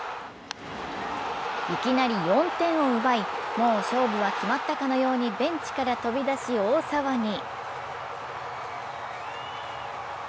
いきなり４点を奪い、もう勝負は決まったかのようにベンチから飛び出し大騒ぎ。